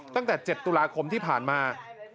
ตั้งแต่๗ตุลาคมที่ผ่านมา